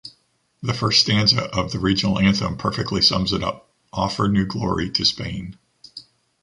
The first stanza of the regional anthem perfectly sums it up: "offer new glory to Spain".